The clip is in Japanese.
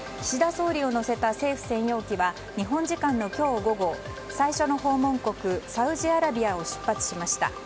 総理を乗せた政府専用機は日本時間の今日午後最初の訪問国サウジアラビアを出発しました。